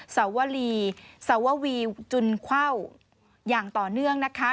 สวรีสววีจุนเข้าอย่างต่อเนื่องนะคะ